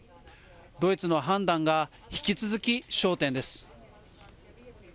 ドイツの判断が引き続き焦点です。